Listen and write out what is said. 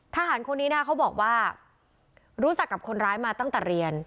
ทหารคนนี้นะเขาบอกว่ารู้จักกับคนร้ายมาตั้งแต่เรียน